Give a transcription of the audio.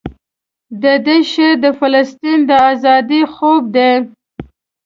دده شعر د فلسطین د ازادۍ خوب دی.